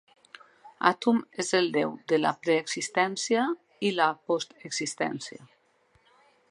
Atum és el Déu de la preexistència i la postexistència.